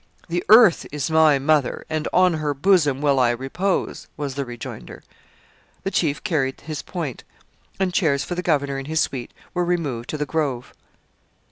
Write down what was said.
'The earth is my mother, and on her bosom will I repose,' was the rejoinder. The chief carried his point, and chairs for the governor and his suite were removed to the grove.